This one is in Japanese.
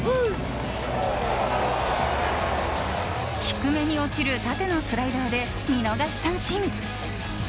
低めに落ちる縦のスライダーで見逃し三振。